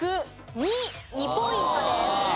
２ポイントです。